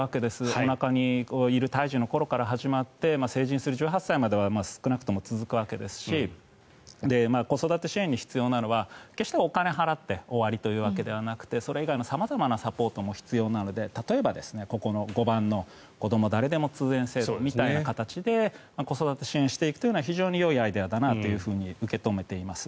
おなかにいる胎児の頃から始まって成人する１８歳までは少なくとも続くわけですし子育て支援に必要なのは決してお金を払って終わりというわけではなくてそれ以外の様々なサポートも必要なので例えば、５番のこども誰でも通園制度みたいな形で子育てを支援していくというのは非常にいいアイデアだなと受け止めています。